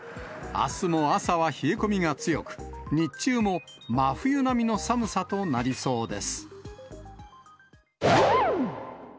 あすの朝は冷え込みが強く、日中も真冬並みの寒さとなりそうです。